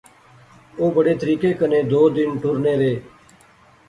او بڑے طریقے کنے دو دن ٹرنے رہے